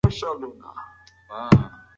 پوه خلګ له ډېر پخوا څخه بېلابېل کتابونه لولي.